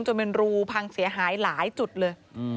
จนเป็นรูพังเสียหายหลายจุดเลย